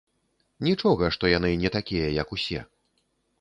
Нічога, што яны не такія, як усе.